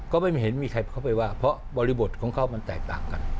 ก็ไม่เห็นมีใครเข้าไปว่าเพราะบริบทของเขามันแตกต่างกัน